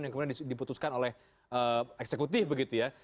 yang kemudian diputuskan oleh eksekutif begitu ya